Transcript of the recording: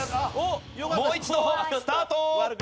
もう一度スタート。